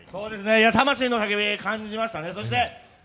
魂の叫び、感じましたね。